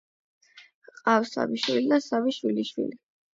ჰყავს სამი შვილი და სამი შვილიშვილი.